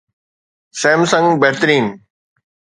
Samsung بهترين